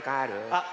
あっ！